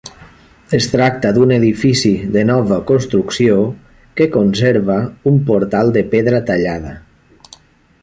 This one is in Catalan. Es tracta d'un edifici de nova construcció que conserva un portal de pedra tallada.